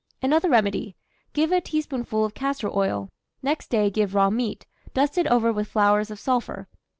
Another remedy: give a teaspoonful of castor oil; next day give raw meat, dusted over with flowers of sulphur.